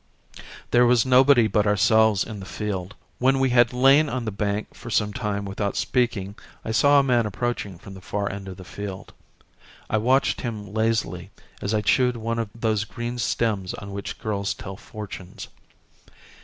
There was nobody but ourselves in the field. When we had lain on the bank for some time without speaking I saw a man approaching from the far end of the field. I watched him lazily as I chewed one of those green stems on which girls tell fortunes.